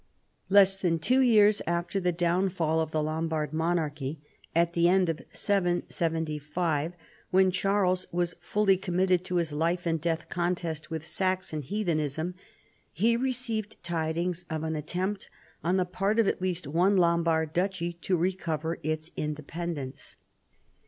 Less than two years after the downfall of the Lombard monarchy, at the end of 775, when Charles was full}'^ committed to his life and death contest with Saxon heathenism, he received tidings of an attempt on the part of at least one Lombard duchy to recover its independence.